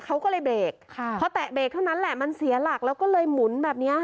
เขาก็เลยเบรกค่ะพอแตะเบรกเท่านั้นแหละมันเสียหลักแล้วก็เลยหมุนแบบเนี้ย